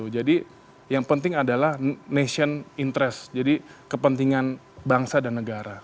jadi yang penting adalah nation interest jadi kepentingan bangsa dan negara